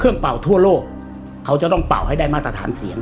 เป่าทั่วโลกเขาจะต้องเป่าให้ได้มาตรฐานเสียง